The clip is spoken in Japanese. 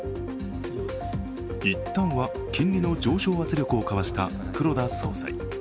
一旦は金利の上昇圧力をかわした黒田総裁。